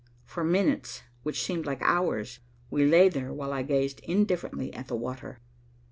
For minutes, which seemed like hours, we lay there while I gazed indifferently at the water.